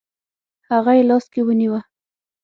هغه یې لاس کې ونیوه.